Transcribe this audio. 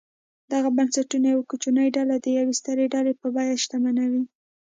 دغه بنسټونه یوه کوچنۍ ډله د یوې سترې ډلې په بیه شتمنوي.